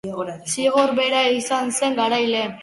Zigor bera izan zen garaile.